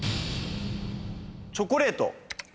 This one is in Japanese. チョコレート。